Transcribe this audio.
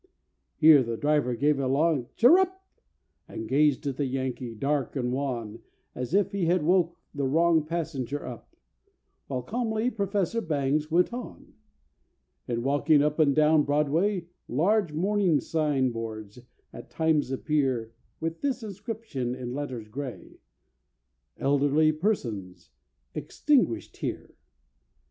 Here the driver gave a long cher—rup! And gazed at the Yankee, dark and wan, As if he had woke the wrong passenger up While calmly Professor Bangs went on: "In walking up and down Broadway, Large mourning sign boards at times appear With this inscription in letters grey— 'Elderly persons extinguished here.